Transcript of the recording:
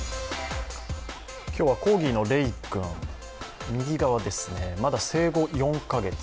今日はコーギーのレイ君、右側ですね、まだ生後４カ月。